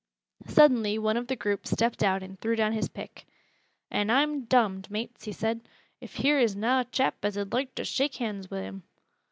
Suddenly one of the group stepped out and threw down his pick. "An' I'm dom'd, mates," he said, "if here is na a chap as ud loike to shake hands wi' him."